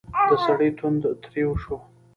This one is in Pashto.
د سړي تندی تريو شو: